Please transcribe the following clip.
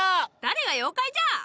誰が妖怪じゃ！